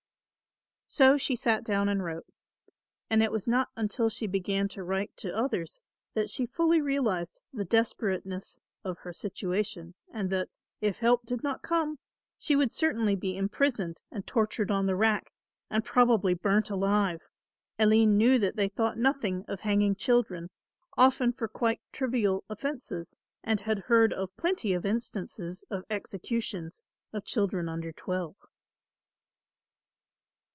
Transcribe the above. So she sat down and wrote; and it was not until she began to write to others that she fully realised the desperateness of her situation and that, if help did not come, she would certainly be imprisoned and tortured on the rack and probably burnt alive. Aline knew that they thought nothing of hanging children, often for quite trivial offences and had heard of plenty of instances of executions of children under twelve.